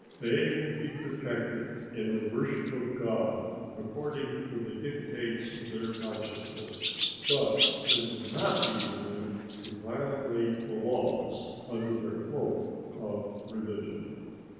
They will be protected in the worship of God according to the dictates of their consciences, but they will not be permitted to violate the laws under the cloak of religion.